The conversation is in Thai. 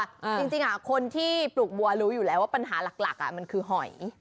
จริงคนที่ปลูกบัวรู้อยู่แล้วว่าปัญหาหลักมันคือหอย